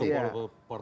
ya memang ada